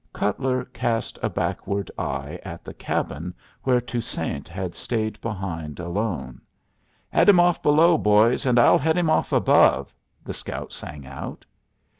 Cutler cast a backward eye at the cabin where Toussaint had stayed behind alone. "Head him off below, boys, and I'll head him off above," the scout sang out.